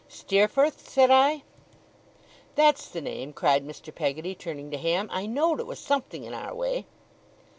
'Steerforth?' said I. 'That's the name!' cried Mr. Peggotty, turning to Ham. 'I knowed it was something in our way.